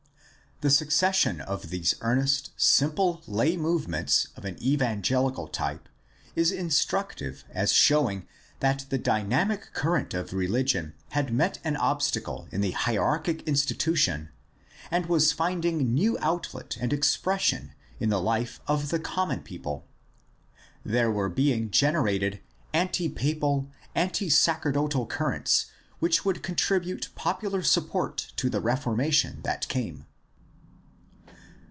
The succession of these earnest, simple lay movements of an evangelical type is instructive as showing that the dynamic current of religion had met an obstacle in the hierarchic institution and was finding new outlet and expression in the life of the common people. There were being generated anti papal, anti sacerdotal currents which would contribute popular support to the Reformation that came.